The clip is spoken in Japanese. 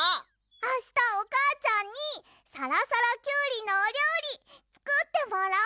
あしたおかあちゃんにさらさらキュウリのおりょうりつくってもらおう！